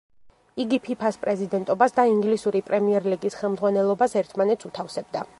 იგი ფიფას პრეზიდენტობას და ინგლისური პრემიერ ლიგის ხემძღვანელობას ერთმანეთს უთავსებდა.